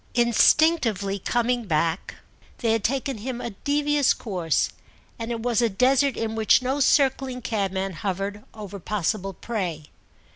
Instinctively, coming back, they had taken him a devious course, and it was a desert in which no circling cabman hovered over possible prey.